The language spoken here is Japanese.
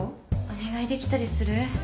お願いできたりする？